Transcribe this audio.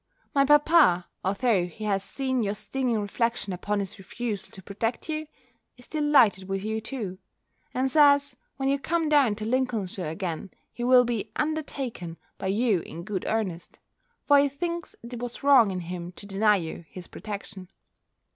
My papa, although he has seen your stinging reflection upon his refusal to protect you, is delighted with you too; and says, when you come down to Lincolnshire again, he will be undertaken by you in good earnest: for he thinks it was wrong in him to deny you his protection.